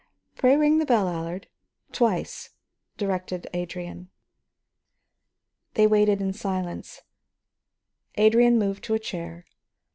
"Pray ring the bell, Allard, twice," directed Adrian. They waited in silence. Adrian moved to a chair.